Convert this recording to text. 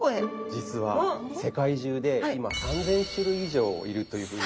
実は世界中で今３，０００種類以上いるというふうに。